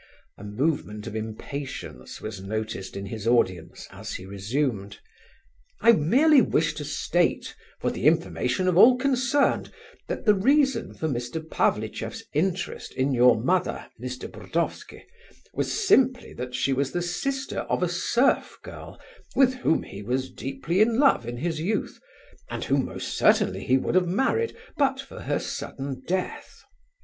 A movement of impatience was noticed in his audience as he resumed: "I merely wish to state, for the information of all concerned, that the reason for Mr. Pavlicheff's interest in your mother, Mr. Burdovsky, was simply that she was the sister of a serf girl with whom he was deeply in love in his youth, and whom most certainly he would have married but for her sudden death.